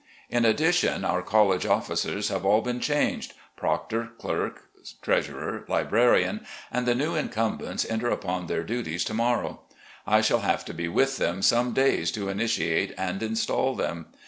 In addition, our college officers have all been changed — proctor, clerk, treasurer, librarian — and the new incumbents enter upon their duties to morrow. I shall have to be with them some days to initiate and install them.